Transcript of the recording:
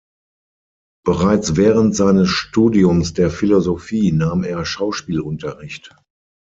Bereits während seines Studiums der Philosophie nahm er Schauspielunterricht.